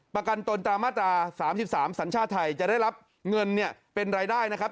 ประกันตนตามมาตรา๓๓สัญชาติไทยจะได้รับเงินเนี่ยเป็นรายได้นะครับ